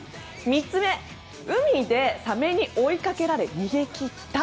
３つ目、海でサメに追いかけられ逃げ切った。